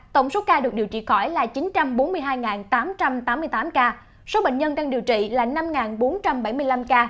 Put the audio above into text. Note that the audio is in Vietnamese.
tổng số ca được điều trị khỏi là chín trăm bốn mươi hai tám trăm tám mươi tám ca số bệnh nhân đang điều trị là năm bốn trăm bảy mươi năm ca